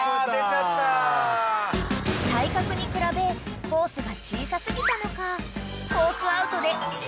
［体格に比べコースが小さ過ぎたのか］